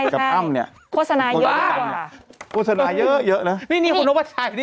ใช่โฆษณาเยอะกว่าโฆษณาเยอะนะนี่คุณนกพระชัย